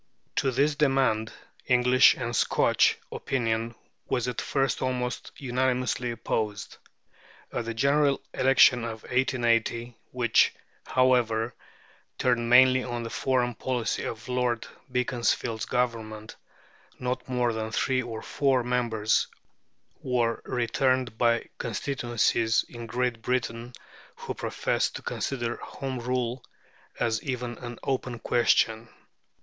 To this demand English and Scotch opinion was at first almost unanimously opposed. At the General Election of 1880, which, however, turned mainly on the foreign policy of Lord Beaconsfield's Government, not more than three or four members were returned by constituencies in Great Britain who professed to consider Home Rule as even an open question.